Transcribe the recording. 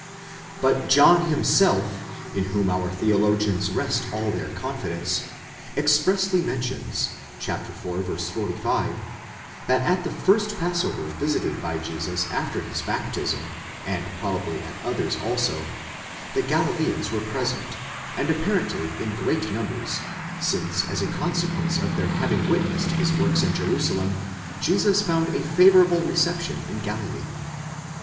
But John himself, in whom our theologians rest all their confidence, ex pressly mentions (iv. 45) that at the first passover visited by Jesus after his baptism (and probably at others also) the Galileans were present, and appar ently in great numbers, since as a consequence of their having witnessed his works in Jerusalem, Jesus found a favourable reception in Galilee.